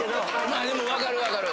まあでも分かる分かる。